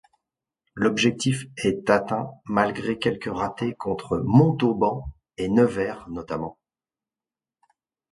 L'objectif est atteint, malgré quelques ratés, contre Montauban et Nevers notamment.